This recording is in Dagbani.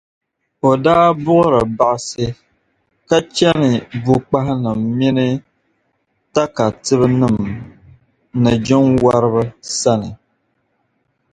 o daa buɣiri baɣisi, ka chani bukpahinim’ mini takatibinim’ ni jinwariba sani.